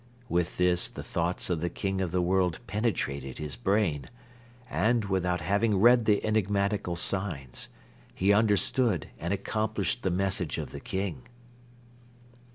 With this the thoughts of the King of the World penetrated his brain and, without having read the enigmatical signs, he understood and accomplished the message of the King."